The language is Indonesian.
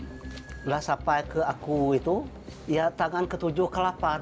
setelah sampai ke aku itu ya tangan ketujuh kelapan